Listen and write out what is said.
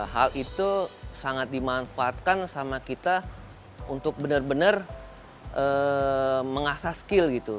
hal itu sangat dimanfaatkan sama kita untuk benar benar mengasah skill gitu